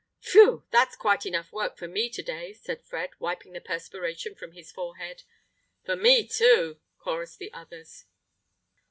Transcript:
"Phew! That's quite enough work for me to day," said Fred, wiping the perspiration from his forehead. "For me too!" chorused the others.